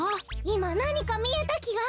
いまなにかみえたきが。